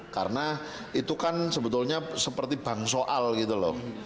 karena itu kan sebetulnya seperti bangsoal gitu loh